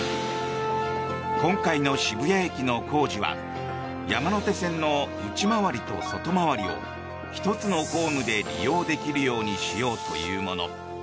今回の渋谷駅の工事は山手線の内回りと外回りを１つのホームで利用できるようにしようというもの。